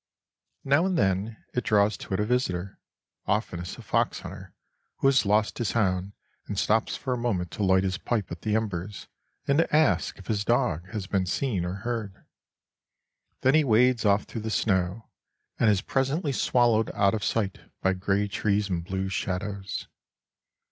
Now and then it draws to it a visitor, oftenest a fox hunter who has lost his hound, and stops for a moment to light his pipe at the embers and to ask if his dog has been seen or heard. Then he wades off through the snow, and is presently swallowed out of sight by gray trees and blue shadows.